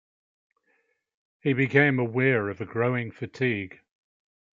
He became aware of a growing fatigue.